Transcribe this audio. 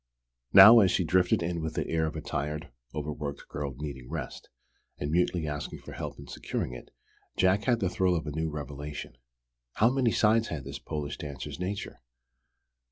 Now, as she drifted in with the air of a tired, overworked girl needing rest, and mutely asking for help in securing it, Jack had the thrill of a new revelation. How many sides had this Polish dancer's nature?